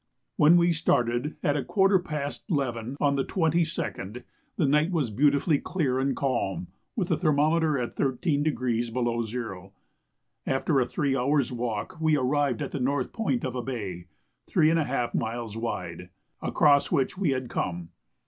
When we started at a quarter past 11 on the 22nd, the night was beautifully clear and calm, with the thermometer at 13° below zero. After a three hours' walk we arrived at the north point of a bay, three and a half miles wide, across which we had come.